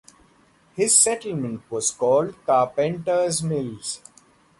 His settlement was called Carpenter's Mills.